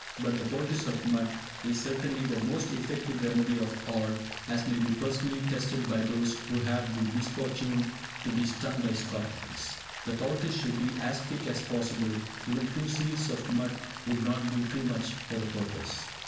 But the poultice of mud is certainly the most effective remedy of all, as may be personally tested by those who may have the misfortune to be stung by scorpions. The poultice should be as thick as possible; even two seers of mud would not be too much for the purpose.